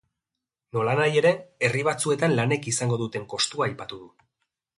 Nolanahi ere, herri batzuetan lanek izango duten kostua aipatu du.